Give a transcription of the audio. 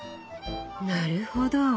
なるほど。